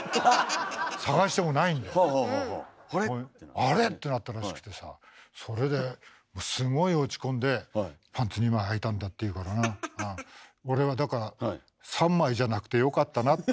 捜してもないんで「あれ？」ってなったらしくてさそれですごい落ち込んでパンツ２枚はいたんだって言うからな俺はだからあいいですね。